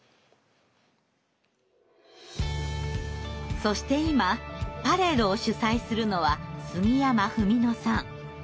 そして今パレードを主催するのは杉山文野さん。